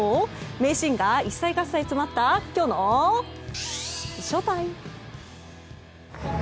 名シーンが一切合切詰まったきょうのＳＨＯＴＩＭＥ。